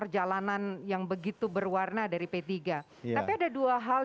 jangan lupa untuk berikan duit kepada tuhan